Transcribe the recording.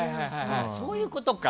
そういうことか。